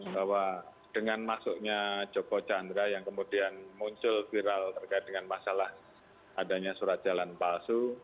bahwa dengan masuknya joko chandra yang kemudian muncul viral terkait dengan masalah adanya surat jalan palsu